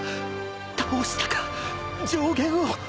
倒したか上弦を！